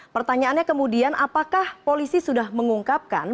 pertanyaannya kemudian apakah polisi sudah mengungkapkan